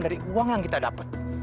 dari uang yang kita dapat